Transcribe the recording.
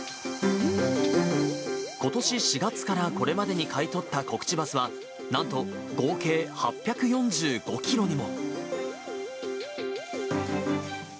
ことし４月からこれまでに買い取ったコクチバスは、なんと合計８４５キロにも。